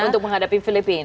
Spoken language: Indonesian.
untuk menghadapi filipina